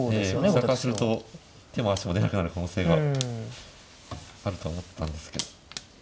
こちらからすると手も足も出なくなる可能性があると思ったんですけど。